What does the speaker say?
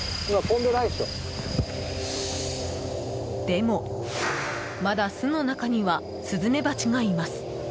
でも、まだ巣の中にはスズメバチがいます。